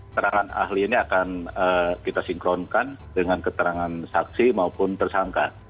terangan ahli ini akan kita sinkronkan dengan keterangan saksi maupun tersangka